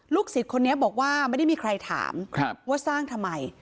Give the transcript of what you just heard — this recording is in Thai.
ศิษย์คนนี้บอกว่าไม่ได้มีใครถามว่าสร้างทำไม